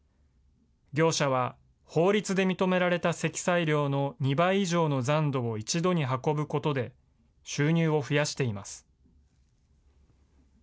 業者は法律で認められた積載量の２倍以上の残土を一度に運ぶことで、収入を増やしています。